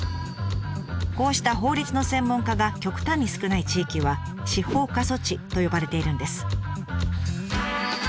こうした法律の専門家が極端に少ない地域は「司法過疎地」と呼ばれているんです。